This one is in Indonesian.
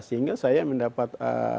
sehingga saya mendapat